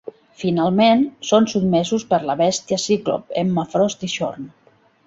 Finalment, són sotmesos per la Bèstia, Cíclop, Emma Frost i Xorn.